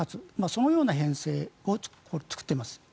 そのような編成を作っています。